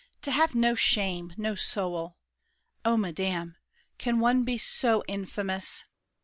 To have no shame, no soul! Oh, madame! can one be so infamous?